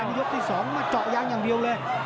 ยกเต้นที่สองเจาะยางอย่างเดียวเลย